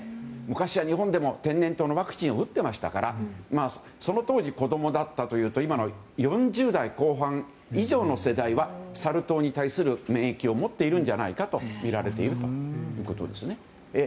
昔は日本でも天然痘のワクチンを打っていましたからその当時、子供だったというと今の４０代後半以上の世代はサル痘に対する免疫を持っているんじゃないかとみられているということですね。